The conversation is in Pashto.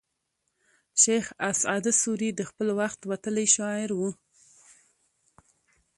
شېخ اسعد سوري د خپل وخت وتلى شاعر وو.